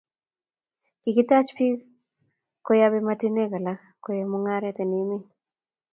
kikitach pik koyab ematunywek alak koyai mungaret en emet